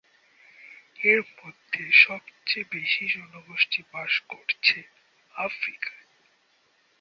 এর মধ্যে সবচেয়ে বেশি জনগোষ্ঠী বাস করছে আফ্রিকায়।